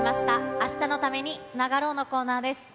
あしたのためにつながろうのコーナーです。